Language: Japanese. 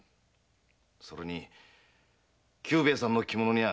それに久兵衛さんの着物にゃあ